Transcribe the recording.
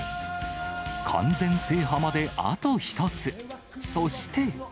完全制覇まであと１つ。